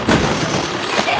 やめてよ。